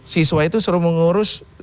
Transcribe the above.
siswa itu suruh mengurus